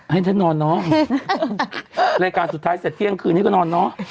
ให้ท่านนอนเนอะรายการสุดท้ายเสร็จเที่ยงคืนนี้ก็นอนเนอะ